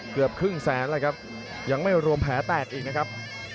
เกือบครึ่งแสนแล้วครับยังไม่รวมแผลแตกอีกนะครับ